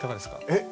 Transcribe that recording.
えっ？